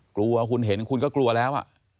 กลัวคุณเห็นคุณก็กลัวแล้ว